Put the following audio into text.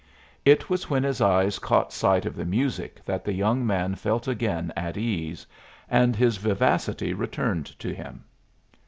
It was when his eyes caught sight of the music that the young man felt again at ease, and his vivacity returned to him.